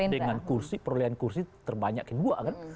dengan kursi perolehan kursi terbanyak kedua kan